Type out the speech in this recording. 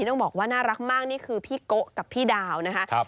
ต้องบอกว่าน่ารักมากนี่คือพี่โกะกับพี่ดาวนะครับ